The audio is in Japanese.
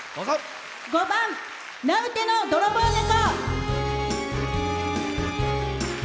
５番「名うての泥棒猫」。